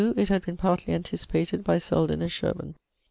It had been partly anticipated by Selden and Sherburne.